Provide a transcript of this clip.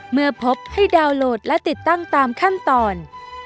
เมื่อพบให้ดาวน์โหลดและติดตั้งตามขั้นตอน